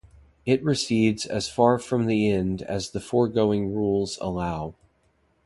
It recedes as far from the end as the foregoing rules allow.